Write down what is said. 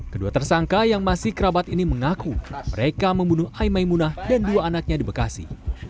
kedua tersangka yang masih kerabat ini mengaku mereka membunuh aimaimunah dan dua anaknya di bekasi